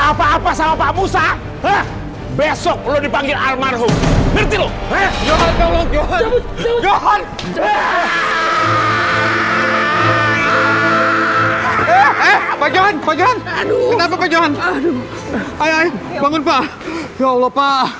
apa apa sama pak musa besok lu dipanggil almarhum nanti loh